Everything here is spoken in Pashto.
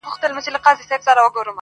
اخ پښتونه چي لښکر سوې نو دبل سوې,